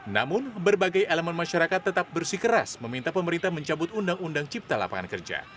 namun berbagai elemen masyarakat tetap bersih keras meminta pemerintah mencabut undang undang cipta lapangan kerja